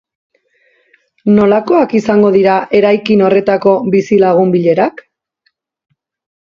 Nolakoak izango dira eraikin horretako bizilagun-bilerak?